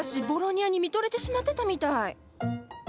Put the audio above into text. ボロニアに見とれてしまってたみたい。